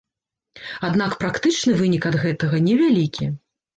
Аднак практычны вынік ад гэтага невялікі.